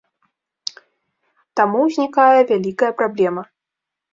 Таму ўзнікае вялікая праблема.